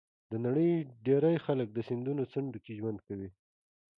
د نړۍ ډېری خلک د سیندونو څنډو کې ژوند کوي.